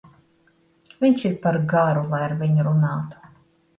Viņš ir par garu, lai ar viņu runātu.